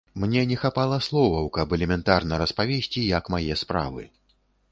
Мне не хапала словаў, каб элементарна распавесці, як мае справы.